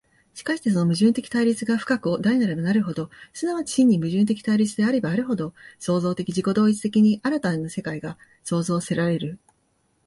しかしてその矛盾的対立が深く大なればなるほど、即ち真に矛盾的対立であればあるほど、矛盾的自己同一的に新たなる世界が創造せられる。